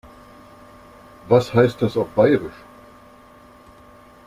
Was heißt das auf Bairisch?